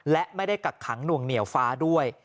และไม่ได้กักขังหน่วงเหนียวฟ้าด้วย